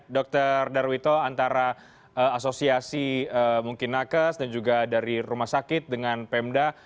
dr darwito antara asosiasi mungkin nakes dan juga dari rumah sakit dengan pemda